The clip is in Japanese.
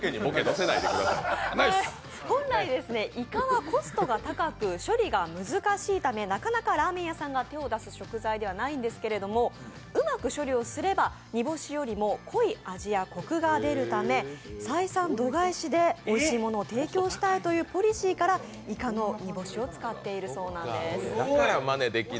本来、イカはコストが高く処理が難しいため、なかなかラーメン屋さんが手を出す食材ではないんですけれどもうまく処理をすれば煮干しよりも濃い味やコクが出るため採算度外視でおいしいものを提供したいというポリシーからイカの煮干しを使っているそうです。